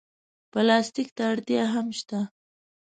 پلاستيک ته اړتیا هم شته.